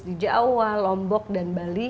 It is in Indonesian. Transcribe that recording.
di jawa lombok dan bali